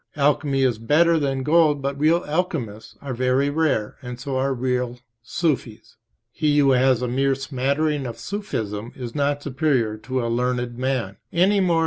Alchemy is better than gold, but real alchemists are very rare, and so are real Sufis. He who has a mere smattering of Sufism is not superior to a learned main, any more {p.